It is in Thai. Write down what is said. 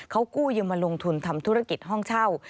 เขากู้ยืมมาลงทุนทำธุรกิจห้องเช่า